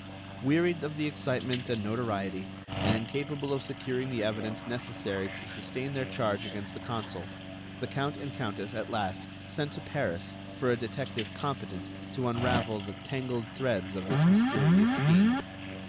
Wearied of the excitement and notoriety, and incapable of securing the evidence necessary to sustain their charge against the consul, the count and countess at last sent to Paris for a detective competent to unravel the tangled threads of this mysterious skein.